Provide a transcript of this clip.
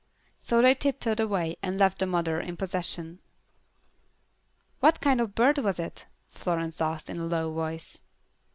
So they tiptoed away and left the mother in possession. "What kind of bird was it?" Florence asked, in a low voice.